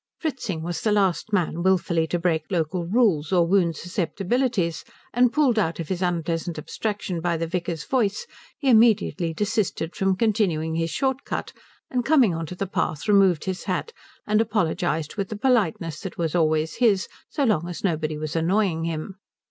Fritzing was the last man wilfully to break local rules or wound susceptibilities; and pulled out of his unpleasant abstraction by the vicar's voice he immediately desisted from continuing his short cut, and coming onto the path removed his hat and apologized with the politeness that was always his so long as nobody was annoying him.